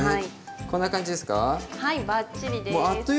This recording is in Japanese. こんな感じですか？